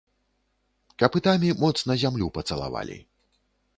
Капытамі моцна зямлю пацалавалі.